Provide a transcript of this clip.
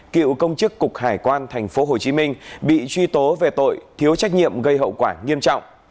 cựu công chức cục hải quan thành phố hồ chí minh bị truy tố về tội thiếu trách nhiệm gây hậu quả nghiêm trọng